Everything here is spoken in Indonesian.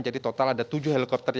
jadi total ada tujuh helikopter